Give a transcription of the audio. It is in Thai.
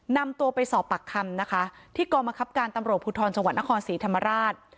นำตัวไปสอบปากคำนะคะที่กรมคับการตำรวจภูทรจังหวัดนครศรีธรรมราช